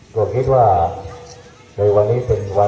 ก็คิดว่าในวันนี้เป็นวัน